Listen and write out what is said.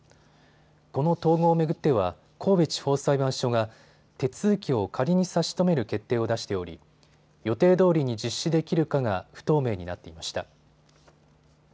この統合を巡っては神戸地方裁判所が手続きを仮に差し止める決定を出しており予定どおりに実施できるかが不透明になっていました。